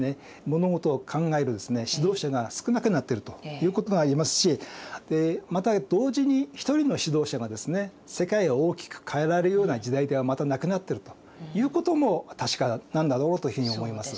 物事を考える指導者が少なくなってるということが言えますしまた同時に一人の指導者がですね世界を大きく変えられるような時代ではまたなくなってるということも確かなんだろうというふうに思います。